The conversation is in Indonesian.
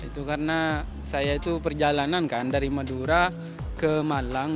itu karena saya itu perjalanan kan dari madura ke malang